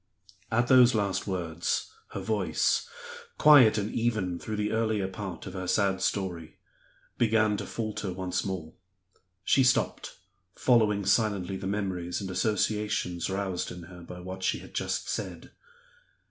At those last words her voice quiet and even through the earlier part of her sad story began to falter once more. She stopped, following silently the memories and associations roused in her by what she had just said.